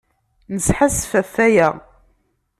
Nesḥassef ɣef waya.